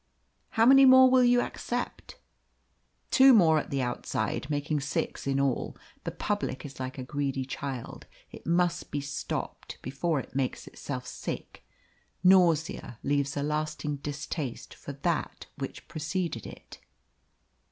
"How many more will you accept?" "Two more at the outside, making six in all. The public is like a greedy child, it must be stopped before it makes itself sick. Nausea leaves a lasting distaste for that which preceded it."